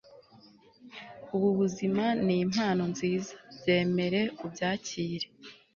ubu buzima nimpano nziza .. byemere, ubyakire